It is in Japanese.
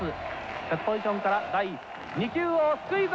セットポジションから第２球をスクイズ！